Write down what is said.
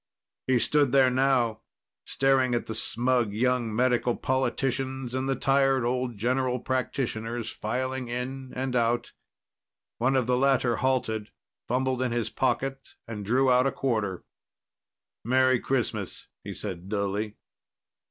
He stood there now, staring at the smug young medical politicians and the tired old general practitioners filing in and out. One of the latter halted, fumbled in his pocket and drew out a quarter. "Merry Christmas!" he said dully.